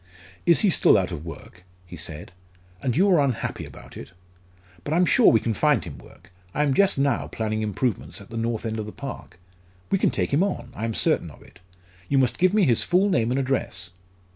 "Is he still out of work?" he said. "And you are unhappy about it? But I am sure we can find him work: I am just now planning improvements at the north end of the park. We can take him on; I am certain of it. You must give me his full name and address."